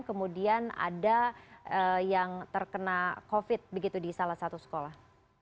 kemudian ada yang terkena covid begitu di salah satu sekolah